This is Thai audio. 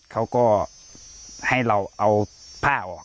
เขาก็ให้เราเอาผ้าออก